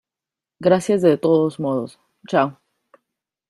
gracias de todos modos. chao .